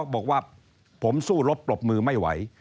บอกว่าผมสู้รบปรบมือไม่ไหว